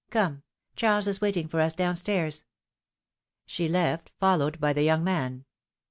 Come; Charles is waiting for us down stairs.'^ She left, followed by the young man.